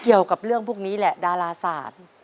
เกี่ยวกับเรื่องพวกนี้แหละดาราศาสตร์